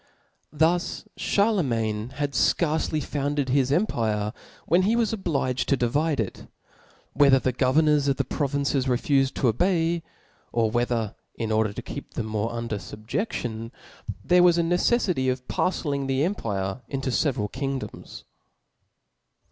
179 Thus Charlcmain had fcarce founded his empire Book when he was oWiged to divide it \ whether the go q^^^\%^ vernors of the provinces refufed to obey ; or whe ther, in order to keep them more tinder fubjeftion, there was a neceflity of parcelling the empire into feveral kingdoms.